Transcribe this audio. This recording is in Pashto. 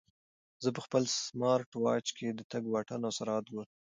زه په خپل سمارټ واچ کې د تګ واټن او سرعت ګورم.